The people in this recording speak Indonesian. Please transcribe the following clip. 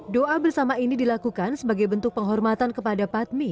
doa bersama ini dilakukan sebagai bentuk penghormatan kepada patmi